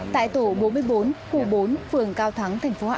tại tổ bốn mươi bốn khu bốn phường cao thắng tp hcm